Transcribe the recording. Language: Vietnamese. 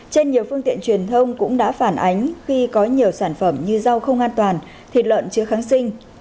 trên nhiều phương tiện truyền thông cũng đã phản ánh khi có nhiều sản phẩm như rau không an toàn thịt lợn chứa kháng sinh